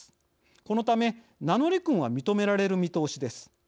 このため名乗り訓は認められる見通しです。